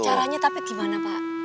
caranya tapi gimana pak